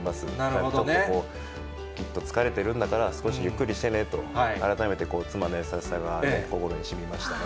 なるほどね。きっと疲れてるんだから、少しゆっくりしてねと、改めて妻の優しさが心にしみましたね。